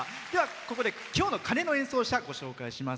ここで今日の鐘の演奏者をご紹介します。